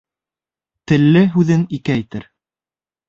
Телле һүҙен ике әйтер.